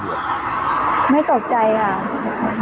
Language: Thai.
กล้วยทอด๒๐๓๐บาท